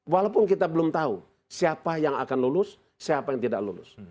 walaupun kita belum tahu siapa yang akan lulus siapa yang tidak lulus